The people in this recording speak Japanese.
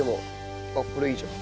これいいじゃん。